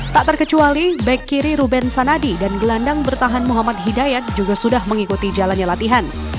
tak terkecuali back kiri ruben sanadi dan gelandang bertahan muhammad hidayat juga sudah mengikuti jalannya latihan